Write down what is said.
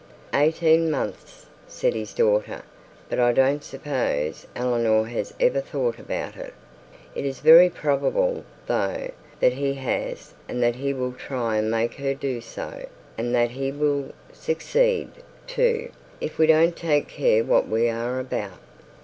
'Eighteen months,' said his daughter. 'But I don't suppose Eleanor has ever thought about it. It is very probable, though, that he has, and that he will try and make her do so; and that he will succeed too, if we don't take care what we are about.'